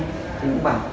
thì cũng bảo